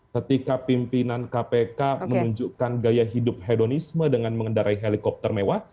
ketika pimpinan kpk menunjukkan gaya hidup hedonisme dengan mengendarai helikopter mewah